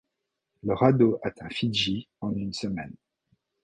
Le radeau atteint Fidji en une semaine.